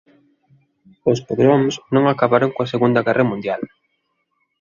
Os pogroms non acabaron coa Segunda Guerra Mundial.